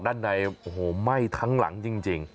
ด้านในไหม้ทั้งหลังจริง